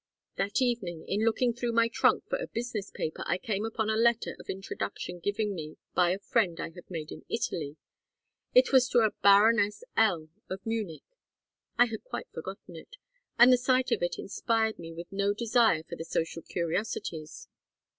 "That evening in looking through my trunk for a business paper I came upon a letter of introduction given me by a friend I had made in Italy. It was to a Baroness L., of Munich. I had quite forgotten it, and the sight of it inspired me with no desire for the social curiosities.